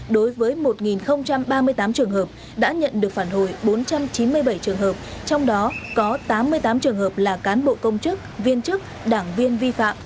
đối với một ba mươi tám trường hợp đã nhận được phản hồi bốn trăm chín mươi bảy trường hợp trong đó có tám mươi tám trường hợp là cán bộ công chức viên chức đảng viên vi phạm